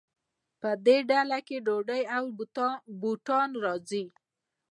په دې ډله کې ډوډۍ او بوټان راځي.